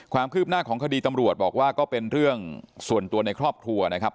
ความคืบหน้าของคดีตำรวจบอกว่าก็เป็นเรื่องส่วนตัวในครอบครัวนะครับ